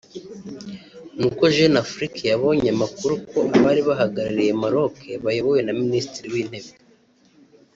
ni uko Jeune Afrique yabonye amakuru ko abari bahagarariye Maroc bayobowe na Minisitiri w’Intebe